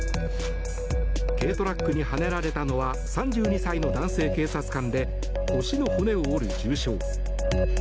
軽トラックにはねられたのは３２歳の男性警察官で腰の骨を折る重傷。